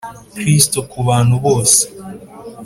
Kristo ku bantu bose